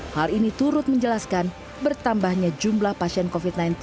hal ini turut menjelaskan bertambahnya jumlah pasien covid sembilan belas